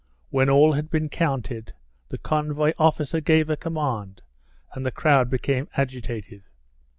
When all had been counted, the convoy officer gave a command, and the crowd became agitated.